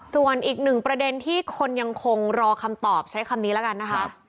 ส่วนอีกหนึ่งประเด็นที่คนยังคงรอคำตอบใช้คำนี้แล้วกันนะคะ